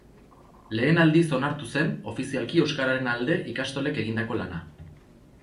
Lehen aldiz onartu zen ofizialki euskararen alde ikastolek egindako lana.